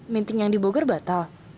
meeting yang dibogor batal